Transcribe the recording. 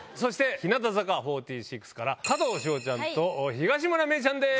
日向坂４６から加藤史帆ちゃんと東村芽依ちゃんです。